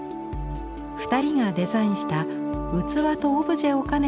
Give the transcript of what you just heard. ２人がデザインした器とオブジェを兼ねた作品。